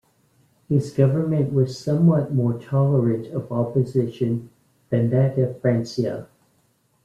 His government was somewhat more tolerant of opposition than that of Francia.